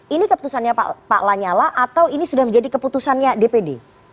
ini keputusannya pak lanyala atau ini sudah menjadi keputusannya dpd